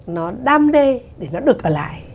nó đam đê để nó được ở lại